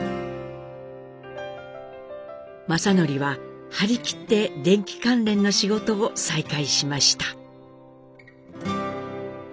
正徳は張り切って電気関連の仕事を再開しました。